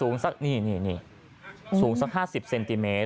นี่สูงสัก๕๐ซม